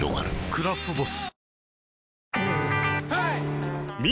「クラフトボス」